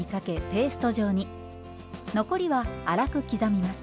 残りは粗く刻みます。